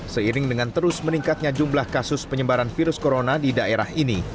seiring dengan terus meningkatnya jumlah kasus penyebaran virus corona di daerah ini